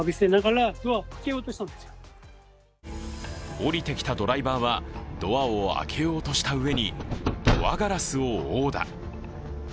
降りてきたドライバーはドアを開けようとしたうえにドアガラスを殴打。